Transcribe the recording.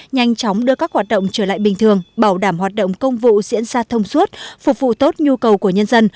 nhanh chóng đưa các hoạt động trở lại bình thường bảo đảm hoạt động công vụ diễn ra thông suốt phục vụ tốt nhu cầu của nhân dân